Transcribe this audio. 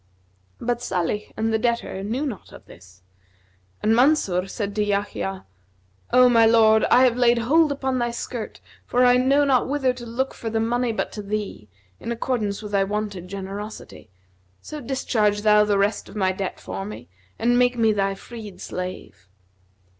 But Salih and the debtor knew not of this; and Mansur said to Yahya, 'O my lord, I have laid hold upon thy skirt, for I know not whither to look for the money but to thee, in accordance with thy wonted generosity; so discharge thou the rest of my debt for me and make me thy freed slave.'